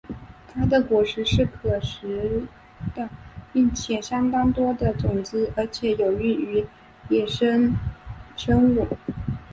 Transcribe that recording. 它的果实是可食的并且相当多种子而且有益于野生生物。